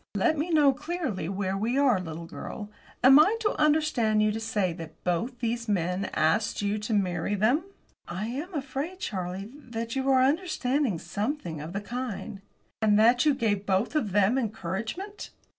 "Let me know, clearly, where we are, little girl. Am I to understand you to say that both these men asked you to marry them?" "I am afraid, Charlie, that you are to understand something of the kind." "And that you gave both of them encouragement?"